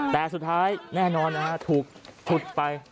แต่สุดท้ายแน่นอนนะฮะถูกฉุดไป